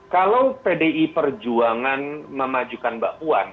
kalau pdi perjuangan memajukan mbak puan